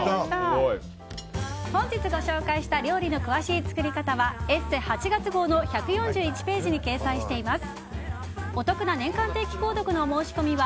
本日ご紹介した料理の詳しい作り方は「ＥＳＳＥ」８月号の１４１ページに掲載しています。